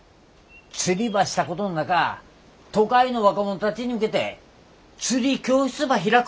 釣りばしたことんなか都会の若者たちに向けて釣り教室ば開くちゅうとやどうね？